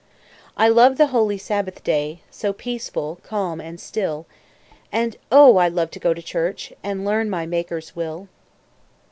I love the holy Sabbath day, So peaceful, calm, and still; And O! I love to go to church, And learn my Maker's will.